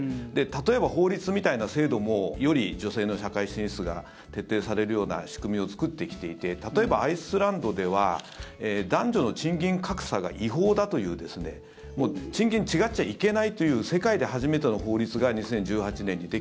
例えば、法律みたいな制度もより女性の社会進出が徹底されるような仕組みを作ってきていて例えば、アイスランドでは男女の賃金格差が違法だという賃金違っちゃいけないという世界で初めての法律がお給料？